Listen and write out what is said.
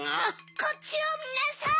こっちをみなさい！